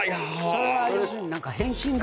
それは要するに何か。